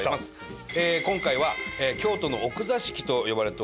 今回は京都の奥座敷と呼ばれております